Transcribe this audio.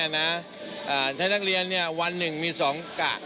ในทั้งเรียนวัน๑มี๒กะ